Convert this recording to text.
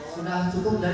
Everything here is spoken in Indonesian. saya juga pak